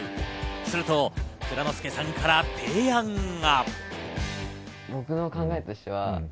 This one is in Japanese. すると藏之輔さんから提案が。